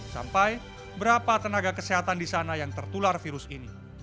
sampai berapa tenaga kesehatan di sana yang tertular virus ini